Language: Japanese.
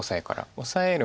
オサえる